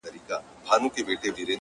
د شرابو خُم پر سر واړوه یاره’